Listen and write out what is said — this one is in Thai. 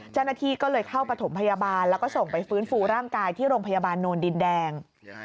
เจ้าหน้าที่ก็เลยเข้าประถมพยาบาลแล้วก็ส่งไปฟื้นฟูร่างกายที่โรงพยาบาลโนนดินแดง